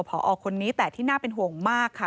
พอคนนี้แต่ที่น่าเป็นห่วงมากค่ะ